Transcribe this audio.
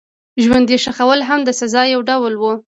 ژوندي ښخول هم د سزا یو ډول و.